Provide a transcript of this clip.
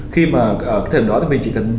khi mà thời điểm đó mình chỉ cần